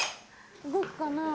動くかなぁ。